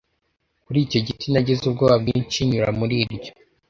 kuri icyo giti Nagize ubwoba bwinshi nyura muri iryo